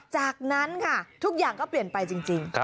จากนั้นค่ะทุกอย่างก็เปลี่ยนไปจริง